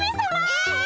え！